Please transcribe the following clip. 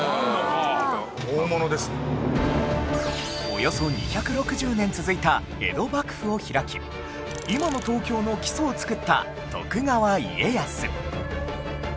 およそ２６０年続いた江戸幕府を開き今の東京の基礎を作った徳川家康